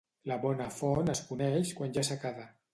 La bona font es coneix quan hi ha secada.